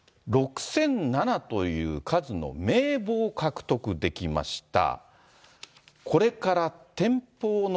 ６００７という数の名簿を獲得できました。